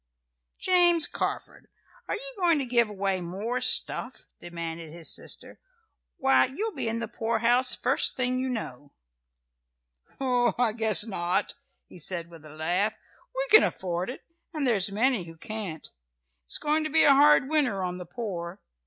"James Carford, are you going to give away more stuff?" demanded his sister. "Why, you'll be in the poorhouse first thing you know." "Oh, I guess not," he said with a laugh, "We can afford it, and there's many who can't. It's going to be a hard winter on the poor.